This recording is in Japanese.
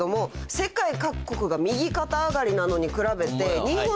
世界各国が右肩上がりなのに比べて。